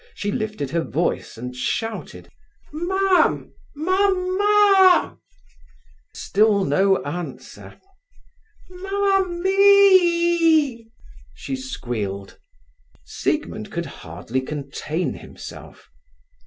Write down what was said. She lifted her voice and shouted: "Mam? Mamma!" Still no answer. "Mam mee e!" she squealed. Siegmund could hardly contain himself.